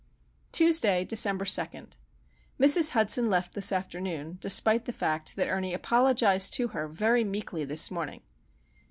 Tuesday, December 2. Mrs. Hudson left this afternoon, despite the fact that Ernie apologised to her very meekly this morning.